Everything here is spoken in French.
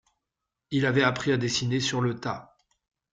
Il avait appris à dessiner sur le tas.